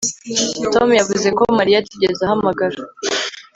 Tom yavuze ko Mariya atigeze ahamagara